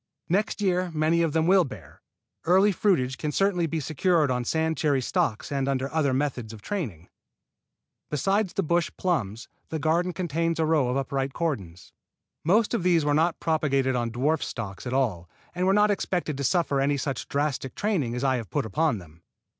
Next year many of them will bear. Earlier fruitage can certainly be secured on sand cherry stocks and under other methods of training. Besides the bush plums, the garden contains a row of upright cordons. Most of these were not propagated on dwarf stocks at all, and were not expected to suffer any such drastic training as I have put upon them.